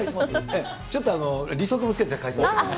ちょっと利息もつけて返しますから。